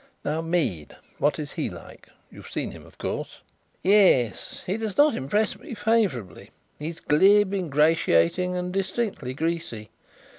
Now, Mead, what is he like? You have seen him, of course?" "Yes. He does not impress me favourably. He is glib, ingratiating, and distinctly 'greasy.'